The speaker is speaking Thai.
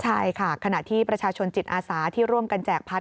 ใช่ค่ะขณะที่ประชาชนจิตอาสาที่ร่วมกันแจกพัด